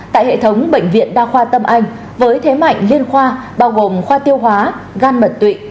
tại hệ thống bệnh viện đa khoa tâm anh với thế mạnh liên khoa bao gồm khoa tiêu hóa gan mật tụy